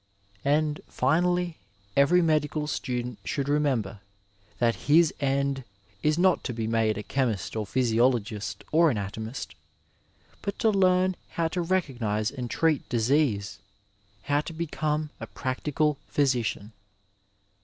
'^ And, finally, every medical student should remember that his end is not to be made a chemist or physiologist or anatomist, but to learn how to recognize and treat disease, how to become a practical physician.